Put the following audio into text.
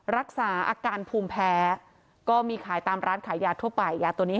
รักษาอาการภูมิแพ้ก็มีขายตามร้านขายยาทั่วไปยาตัวนี้